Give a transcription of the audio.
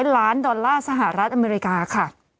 ๑๒๑๖๐๐ล้านดอลลาร์ศาษณ์รัฐอเมริกาค่ะ